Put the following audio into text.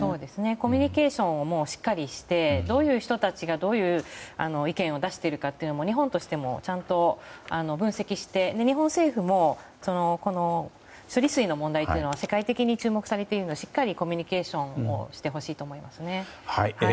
コミュニケーションをしっかりしてどういう人たちがどういう意見を出しているのか日本としてもちゃんと分析して日本政府も処理水の問題は世界的に注目されているのでしっかりコミュニケーションをしてほしいと思いますね。